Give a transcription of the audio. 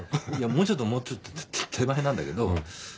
もうちょっともうちょっと手前なんだけど。